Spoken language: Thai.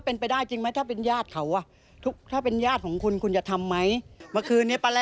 เราจะไปเอาน้องเท้าไปตี